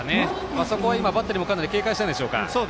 あそこはバッテリーもかなり警戒したんでしょうか。